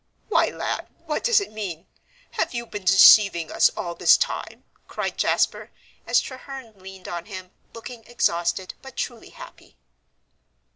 "Why, lad, what does it mean? Have you been deceiving us all this time?" cried Jasper, as Treherne leaned on him, looking exhausted but truly happy.